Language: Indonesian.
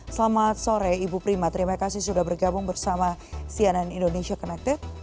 selamat sore ibu prima terima kasih sudah bergabung bersama cnn indonesia connected